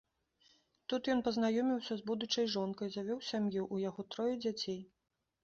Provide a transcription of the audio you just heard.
Тут ён пазнаёміўся з будучай жонкай, завёў сям'ю, у яго трое дзяцей.